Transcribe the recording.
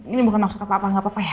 ini bukan maksud papa papa gak papa ya